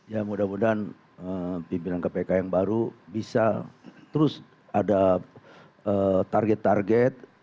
ya mudah mudahan pimpinan kpk yang baru bisa terus ada target target